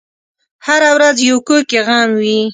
هره ورځ یو کور کې غم وي.